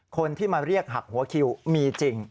คนที่มาเรียกหักหัวคิวมีจริง